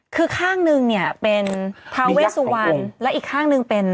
คือข้างหนึ่งเนี่ยเป็นทาเวสุวรรณแล้วอีกข้างหนึ่งเป็น